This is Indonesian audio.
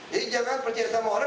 jadi jangan percaya sama orang